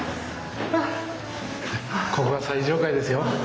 ここが最上階ですよ。